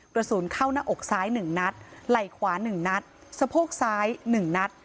กระสุนเข้าหน้าอกซ้าย๑นัดไหล่ขวา๑นัดสะโพกซ้าย๑นัด